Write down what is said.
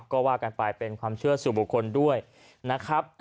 ก็ว่ากันไปเป็นความเชื่อสู่บุคคลด้วยนะครับ